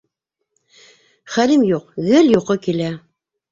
Хәлем юҡ, гел йоҡо килә.